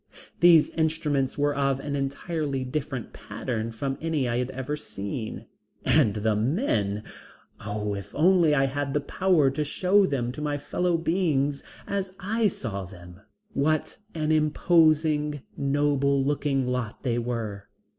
These instruments were of an entirely different pattern from any I had ever seen. And the men! Oh, if I only had the power to show them to my fellow beings as I saw them. What an imposing, noble looking lot they were.